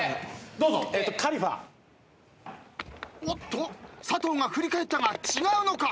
おっと佐藤が振り返ったが違うのか？